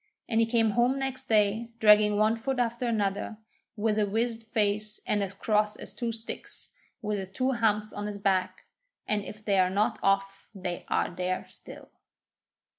And he came home next day dragging one foot after another, with a wizened face and as cross as two sticks, with his two humps on his back, and if they are not off they are there still.